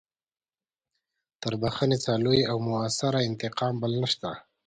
تر بخښنې څخه لوی او مؤثر انتقام بل نشته.